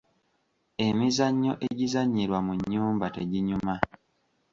Emizannyo egizanyirwa mu nnyumba teginyuma.